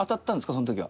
その時は。